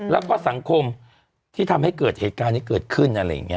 แล้วก็สังคมที่ทำให้เกิดเหตุการณ์นี้เกิดขึ้นอะไรอย่างนี้